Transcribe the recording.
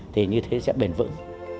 thì như thế sẽ bền vững